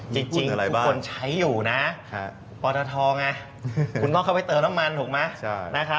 จริงทุกคนใช้อยุนะพลโทษน่ะคุณต้องเข้าไปเตินน้ำมันถูกมั้ย